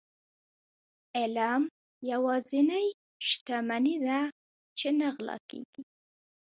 علم يوازنی شتمني ده چي نه غلا کيږي.